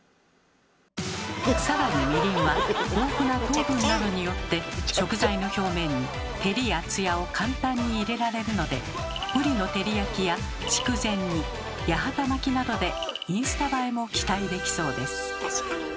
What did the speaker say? さらにみりんは豊富な糖分などによって食材の表面に照りやツヤを簡単に入れられるのでぶりの照り焼きや筑前煮八幡巻きなどでインスタ映えも期待できそうです。